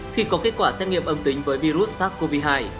khi có kết quả xét nghiệm âm tính với virus sars cov hai